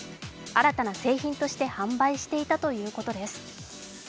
新たな製品として販売していたということです。